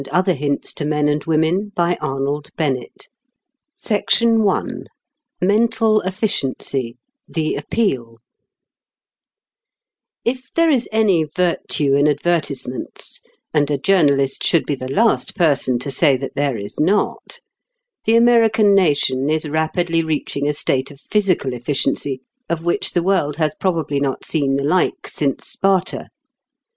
The Petty Artificialities 104 IX. The Secret of Content 112 I MENTAL EFFICIENCY THE APPEAL If there is any virtue in advertisements and a journalist should be the last person to say that there is not the American nation is rapidly reaching a state of physical efficiency of which the world has probably not seen the like since Sparta.